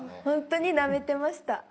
ホントになめてました。